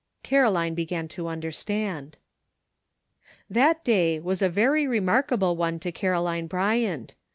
Caroline began to understand. That day was a very remarkable one to Caro line Bryant.